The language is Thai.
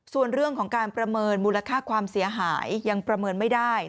ส่วนเรื่องของการประเมินมูลค่าความเสียหายยังประเมินไม่ได้